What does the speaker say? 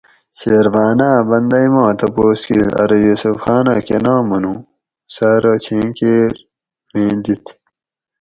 شیرباناۤ بندئی ما تپوس کیر ارو یوسف خانہ کناں منو؟ سہ ارو چھیں کیر میں دِیت